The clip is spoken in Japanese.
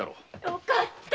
よかった！